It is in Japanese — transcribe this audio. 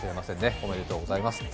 おめでとうございます。